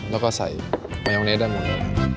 แล้วก็ใส่แมวเนสได้หมดเลย